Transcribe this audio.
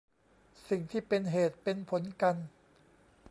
สิ่งที่เป็นเหตุเป็นผลกัน